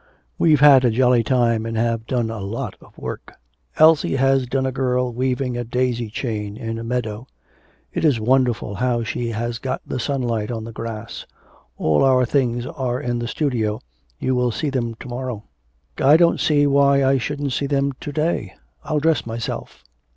'We've had a jolly time and have done a lot of work.' 'Elsie has done a girl weaving a daisy chain in a meadow. It is wonderful how she has got the sunlight on the grass. All our things are in the studio, you will see them to morrow.' 'I don't see why I shouldn't see them to day. I'll dress myself.'